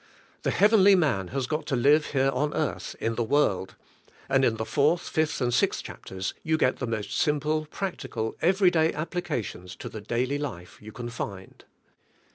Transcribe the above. The heavenly man has got to live here on earth, in the world; and in the 4th, 5th, and 6th chapters you get the most simple, practical, every day applications to the daily life you can find.